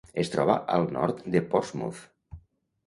Es troba al nord de Portsmouth.